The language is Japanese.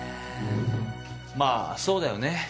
まあそうだよね。